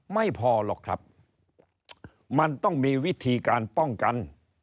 ไม่พอหรอกครับมันต้องมีวิธีการป้องกัน